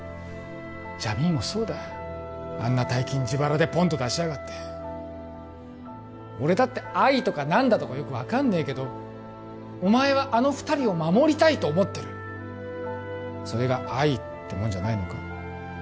ジャミーンもそうだあんな大金自腹でポンと出しやがって俺だって愛とか何だとかよく分かんねえけどお前はあの二人を守りたいと思ってるそれが愛ってもんじゃないのか？